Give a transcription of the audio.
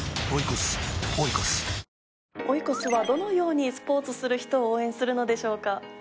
オイコスはどのようにスポーツする人を応援するのでしょうか？